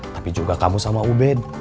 tapi juga kamu sama ubed